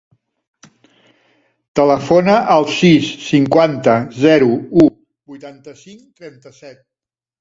Telefona al sis, cinquanta, zero, u, vuitanta-cinc, trenta-set.